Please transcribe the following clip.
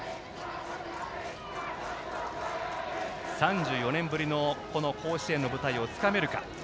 ３４年ぶりの甲子園の舞台をつかめるか。